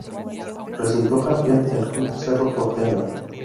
Resultó campeón el club Cerro Porteño.